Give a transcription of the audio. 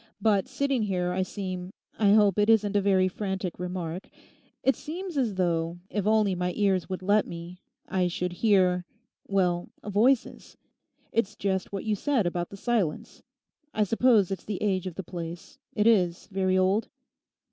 But sitting here I seem, I hope it isn't a very frantic remark, it seems as though, if only my ears would let me, I should hear—well, voices. It's just what you said about the silence. I suppose it's the age of the place; it is very old?